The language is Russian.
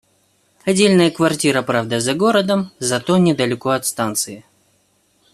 Отдельная квартира, правда за городом, но зато недалеко от станции.